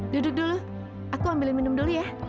duduk dulu aku ambil minum dulu ya